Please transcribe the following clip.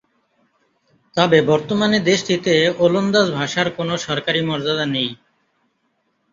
তবে বর্তমানে দেশটিতে ওলন্দাজ ভাষার কোন সরকারি মর্যাদা নেই।